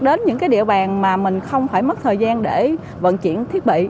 đến những cái địa bàn mà mình không phải mất thời gian để vận chuyển thiết bị